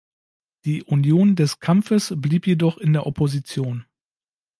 Die Union des Kampfes blieb jedoch in der Opposition.